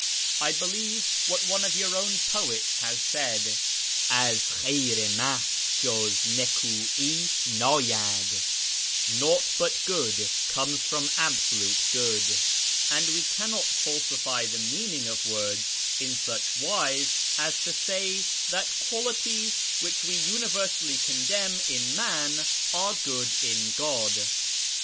I believe what one of your own poets has said :' Az Khayr i Mahz juz nik^'i ndyacl,' ' Nauglit but good comes from Absolute Good,' and we cannot falsify the meaning of words in such wise as to say that qualities which we universally condemn in man are good in God.